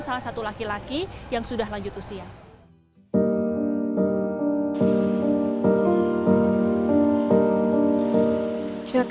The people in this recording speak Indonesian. salah satu laki laki yang sudah lanjut usia jakarta terus mempercantikkan